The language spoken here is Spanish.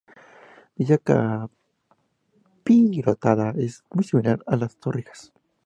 Dicha capirotada es muy similar a las torrijas.